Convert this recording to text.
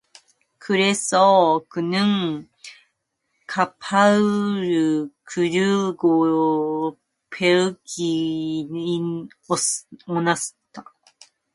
그래서 그는 가방을 들고 벌컥 일어났다.